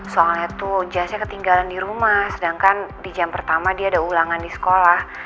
soalnya tuh jazznya ketinggalan di rumah sedangkan di jam pertama dia ada ulangan di sekolah